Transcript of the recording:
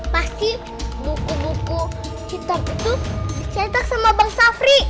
pasti buku buku hitam itu dicetak sama bang safri